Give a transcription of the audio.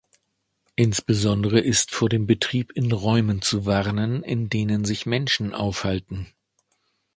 Insbesondere ist vor dem Betrieb in Räumen zu warnen, in denen sich Menschen aufhalten.